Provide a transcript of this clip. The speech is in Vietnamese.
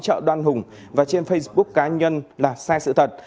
chợ đoan hùng và trên facebook cá nhân là sai sự thật